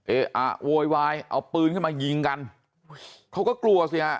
เอ๊ะอ่ะโวยวายเอาปืนขึ้นมายิงกันเขาก็กลัวสิฮะ